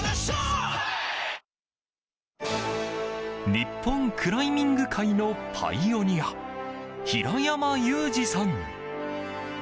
日本クライミング界のパイオニア平山ユージさん。